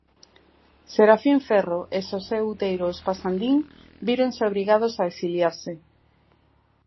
Serafín Ferro e Xosé Outeiro Espasandín víronse obrigados a exiliarse.